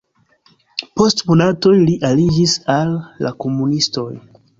Post monatoj li aliĝis al la komunistoj.